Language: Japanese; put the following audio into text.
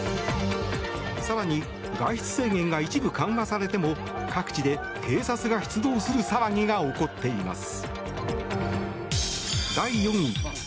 更に、外出制限が一部緩和されても各地で警察が出動する騒ぎが起こっています。